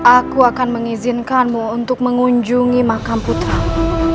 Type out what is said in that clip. aku akan mengizinkanmu untuk mengunjungi makam putramu